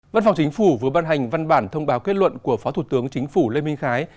văn phòng chính phủ vừa ban hành văn bản thông báo kết luận của phó thủ tướng chính phủ lê minh khái